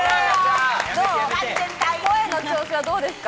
声の調子は、どうですか？